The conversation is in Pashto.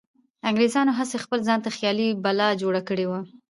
انګریزانو هسې خپل ځانته خیالي بلا جوړه کړې وه.